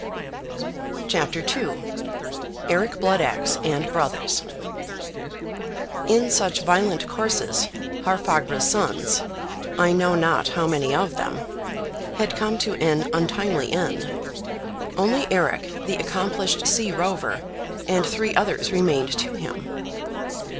CHAPTER II. ERIC BLOOD AXE AND BROTHERS. In such violent courses Haarfagr's sons, I know not how many of them, had come to an untimely end; only Eric, the accomplished sea rover, and three others remained to him.